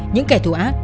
những kẻ thù ác